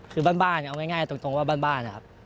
คือบ้านเอาง่ายตรงว่าบ้านนะครับ